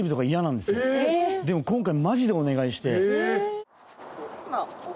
でも今回マジでお願いして。